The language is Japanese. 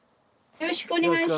よろしくお願いします。